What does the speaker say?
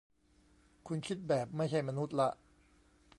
คุณคิดแบบไม่ใช่มนุษย์ละ